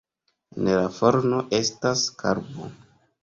En la forno estas karbo.